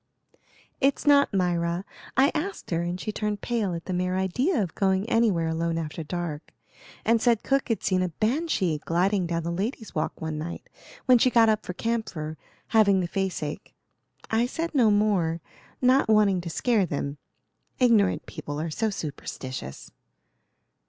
"It's not Myra; I asked her, and she turned pale at the mere idea of going anywhere alone after dark, and said cook had seen a banshee gliding down the Lady's Walk one night, when she got up for camphor, having the face ache. I said no more, not wanting to scare them; ignorant people are so superstitious."